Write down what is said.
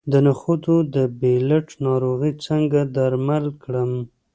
د نخودو د پیلټ ناروغي څنګه درمل کړم؟